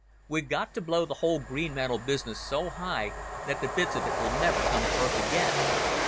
We've got to blow the whole Greenmantle business so high that the bits of it will never come to earth again